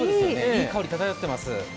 いい香りが漂っています。